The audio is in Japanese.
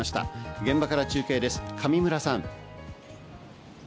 現場から中継です、上村さん。